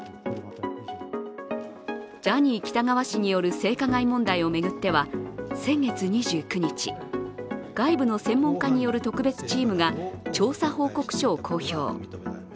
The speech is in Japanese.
ジャニー喜多川氏による性加害問題を巡っては先月２９日、外部の専門家による特別チームが調査報告書を公表。